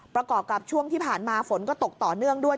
ประกอบกับช่วงที่ผ่านมาฝนก็ตกต่อเนื่องด้วย